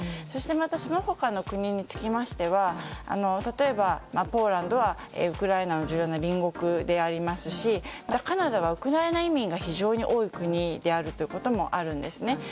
そしてまたその他の国につきましては例えばポーランドはウクライナの重要な隣国でありますしまたカナダはウクライナ移民が非常に多い国であるということもあるんですね。